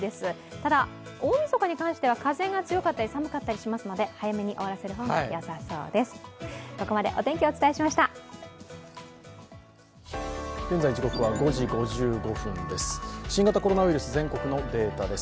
ただ大みそかに関しては風が強かったり寒かったりしますので早めに終わらせる方がよさそうです。